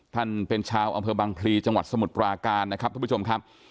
ท่านเป็นชาวอำเภอบังพลีจังหวัดสมุทรปราการนะครับทุกผู้ชมครับ